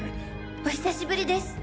お久しぶりです！